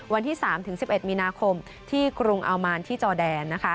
วันที่๓๑๑มีนาคมที่กรุงอัลมานที่จอแดนนะคะ